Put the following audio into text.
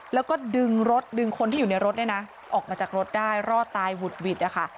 แล้วก็ดึงรถดึงคนที่อยู่ในรถเนี่ยนะออกมาจากรถได้รอดตายหุดหวิดนะคะ